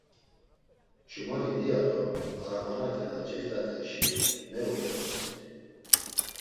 Ç̌umani diya do arabanate na celaft̆atenşi mevozmort̆it.